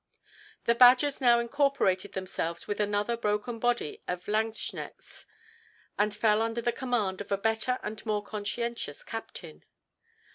The Badgers now incorporated themselves with another broken body of Landsknechts, and fell under the command of a better and more conscientious captain.